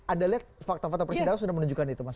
anda lihat fakta fakta persidangan sudah menunjukkan itu mas